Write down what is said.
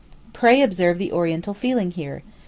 (Pray observe the Oriental feeling here.